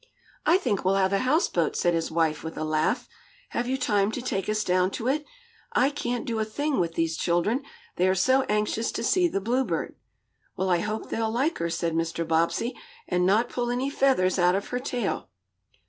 "I think we'll have a houseboat," said his wife with a laugh. "Have you time to take us down to it? I can't do a thing with these children, they are so anxious to see the Bluebird." "Well, I hope they'll like her," said Mr. Bobbsey, "and not pull any feathers out of her tail."